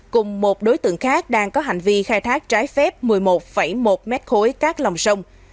cùng một đối tượng khác đang có hành vi khai thác trái phép một mươi một một mét khối cát lòng sông